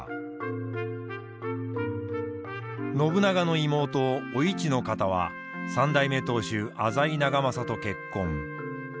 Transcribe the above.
信長の妹お市の方は３代目当主浅井長政と結婚。